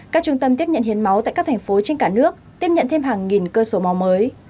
các trung tâm tiếp nhận hiến máu tại các thành phố trên cả nước tiếp nhận thêm hàng nghìn cơ sổ mò mới